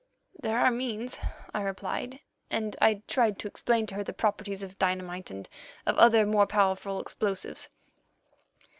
"'There are means,' I replied, and I tried to explain to her the properties of dynamite and of other more powerful explosives.